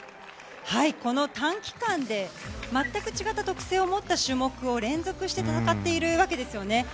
この短期間で全く違った特性の種目を連続して戦っているわけですよね。